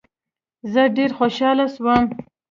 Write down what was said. زه ډیر خوشحاله سوم.